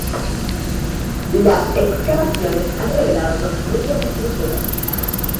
Las excavaciones han revelado dos grupos de estructuras.